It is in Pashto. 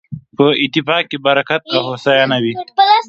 په اتفاق کې برکت او هوساينه وي